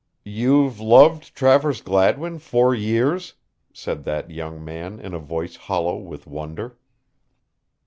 "You've loved Travers Gladwin four years," said that young man in a voice hollow with wonder.